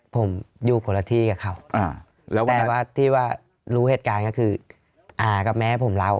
ผมอยู่คนละที่กับเขาแต่ว่าที่ว่ารู้เหตุการณ์ก็คืออากับแม่ผมเรา